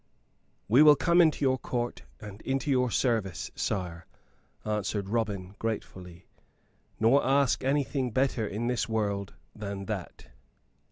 "We will come into your Court and into your service, sire," answered Robin, gratefully, "nor ask anything better in this world than that."